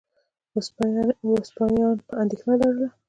وسپاسیان اندېښنه لرله.